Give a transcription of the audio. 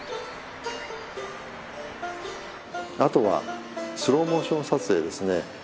あとはスローモーション撮影ですね。